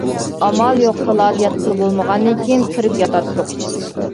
ئامال يوق تالادا ياتقىلى بولمىغاندىن كىيىن كىرىپ ياتاتتۇق.